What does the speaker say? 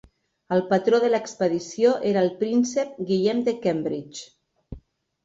El patró de l'expedició era el príncep Guillem de Cambridge.